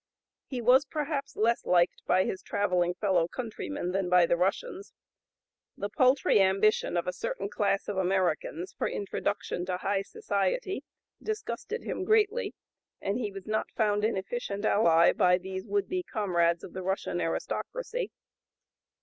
He was perhaps less liked by his travelling fellow countrymen than by the Russians. The paltry ambition of a certain class of Americans for introduction to high society disgusted him greatly, and he was not found an efficient ally by these would be comrades of the Russian aristocracy.